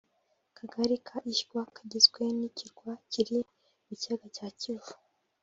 Akagali ka Ishywa kagizwe n’ikirwa kiri mu Kiyaga cya Kivu